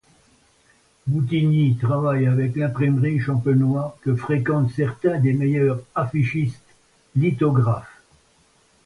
Boutigny travaille avec l’imprimerie Champenois que fréquentent certains des meilleurs affichistes lithographes.